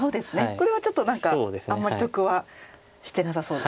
これはちょっと何かあんまり得はしてなさそうですね。